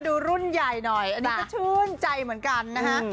ดูรุ่นใหญ่หน่อยอันนี้ก็ชื่นใจเหมือนกันนะฮะ